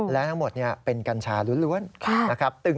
และทั้งหมดเป็นกัญชาล้วนนะครับ